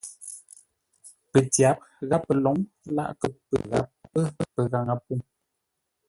Pətyáp gháp pəlǒŋ láʼ kə pə́ gháp pə́ pəghaŋə pûŋ.